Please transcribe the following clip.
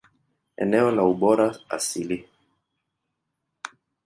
Eneo la ubora asili.